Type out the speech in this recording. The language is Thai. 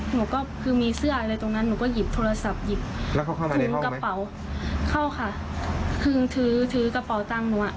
หนูก็คือมีเสื้ออะไรตรงนั้นหนูก็หยิบโทรศัพท์